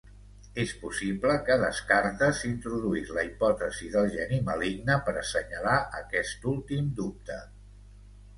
És possible que Descartes introduís la hipòtesi del geni maligne per assenyalar aquest últim dubte.